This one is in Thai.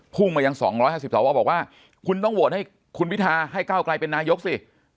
พุ่งมาอย่างสองร้อยห้าสิบสามว่าบอกว่าคุณต้องโหวตให้คุณวิทาให้ก้าวกลายเป็นนายกสิ